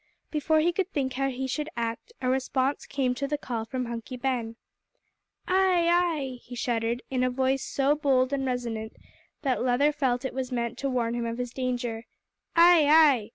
Before he could think how he should act, a response came to the call from Hunky Ben. "Ay, ay," he shouted, in a voice so bold and resonant, that Leather felt it was meant to warn him of his danger, "Ay, ay.